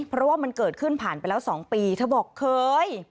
เพราะว่ามันเกิดขึ้นผ่านไปแล้ว๒ปีเธอบอกเคย